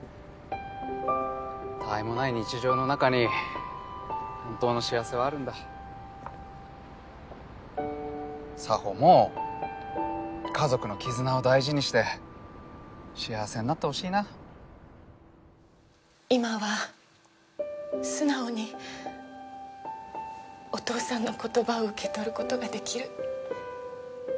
たわいもない日常の中に本当の幸せはあるんだ沙帆も家族の絆を大事にして幸せになって今は素直にお父さんの言葉を受けとることができる。